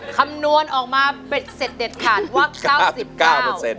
คำนวณออกมาเป็นเสด็จขาดว่า